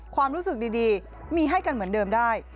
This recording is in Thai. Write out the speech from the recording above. ความรู้สึกดีมีให้กันเหมือนเดิมได้